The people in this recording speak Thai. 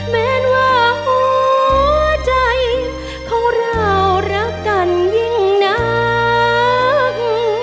แม้ว่าหัวใจของเรารักกันยิ่งนัก